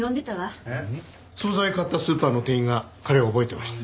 えっ？総菜を買ったスーパーの店員が彼を覚えてました。